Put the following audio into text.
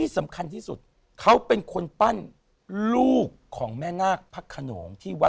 สวัสดีครับอาจารย์เทียม